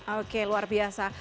oke luar biasa